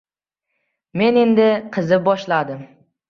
Men endi qizib boshladim.